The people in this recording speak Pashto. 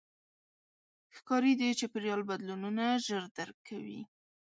ښکاري د چاپېریال بدلونونه ژر درک کوي.